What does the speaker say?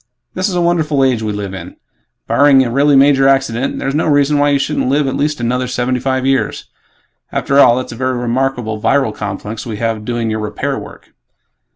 This is a wonderful age we live in. Barring a really major accident, there's no reason why you shouldn't live at least another seventy five years. After all, that's a very remarkable viral complex we have doing your 'repair' work."